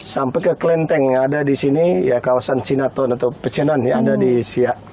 sampai ke kelenteng yang ada di sini ya kawasan sinaton atau pecendan ya ada di siak